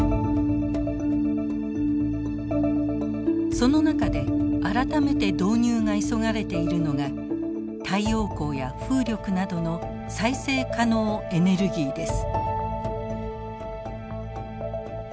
その中で改めて導入が急がれているのが太陽光や風力などの再生可能エネルギーです。